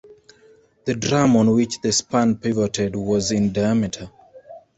The drum on which the span pivoted was in diameter.